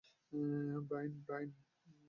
Brian, Brian.